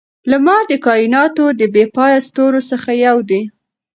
لمر د کائناتو د بې پایه ستورو څخه یو دی.